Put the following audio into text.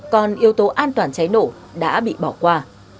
còn yếu tố an toàn cháy nổ đã bị bỏ qua